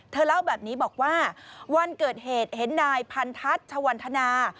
เล่าแบบนี้บอกว่าวันเกิดเหตุเห็นนายพันทัศน์ชวันธนา